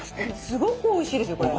すごくおいしいですよこれ。